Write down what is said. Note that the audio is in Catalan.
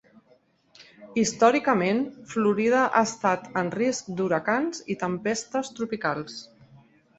Històricament, Florida ha estat en risc d'huracans i tempestes tropicals.